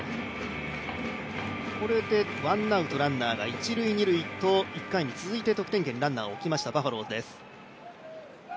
これでワンアウトランナーが一塁二塁と１回に続いてランナーを得点圏に置きましたバファローズです。